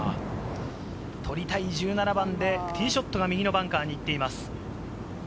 取りたい１７番でティーショットが右のバンカーに行っています。